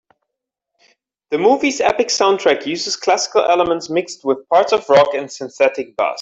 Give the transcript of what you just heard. The movie's epic soundtrack uses classical elements mixed with parts of rock and synthetic bass.